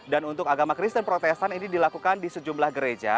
dan untuk agama kristen protestan ini dilakukan di sejumlah gereja